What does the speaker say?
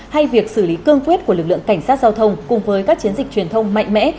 hay việc xử lý cương quyết của lực lượng cảnh sát giao thông cùng với các chiến dịch truyền thông mạnh mẽ